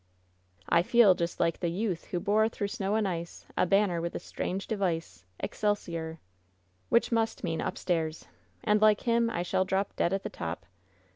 "I feel just like the " Tf onth who bore through snow and ice A banner with a strange device — Excelsior!' Which must mean 'Upstairs/ And like him, I shall drop dead at the top.